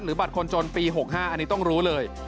บัตรคนจนปี๖๕อันนี้ต้องรู้เลย